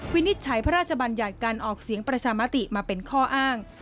วินิจฉัยพระราชบัญญัติการออกเสียงประชามติมาเป็นข้ออ้าง